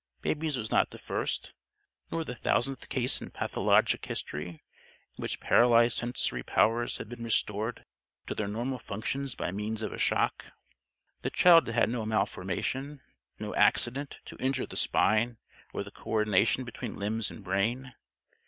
Baby's was not the first, nor the thousandth case in pathologic history, in which paralyzed sensory powers had been restored to their normal functions by means of a shock. The child had had no malformation, no accident, to injure the spine or the co ordination between limbs and brain.